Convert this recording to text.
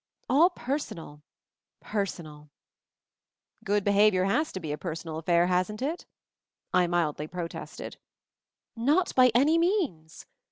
All personal — personal !" "Good behavior has to be a personal affair, hasn't it?" I mildly protested. "Not by any means